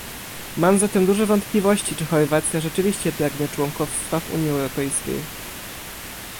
Mam zatem duże wątpliwości, czy Chorwacja rzeczywiście pragnie członkostwa w Unii Europejskiej